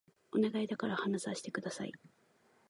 お願いだから話させて下さい